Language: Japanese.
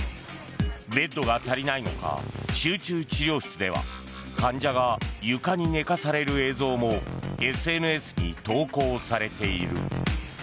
ベッドが足りないのか集中治療室では患者が床に寝かされる映像もＳＮＳに投稿されている。